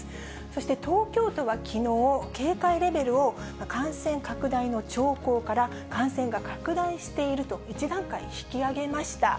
そして東京都はきのう、警戒レベルを感染拡大の兆候から、感染が拡大していると、１段階引き上げました。